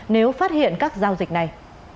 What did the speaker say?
nếu phát hiện các giao dịch này